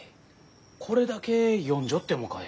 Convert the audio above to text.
これだけ読んじょってもかえ？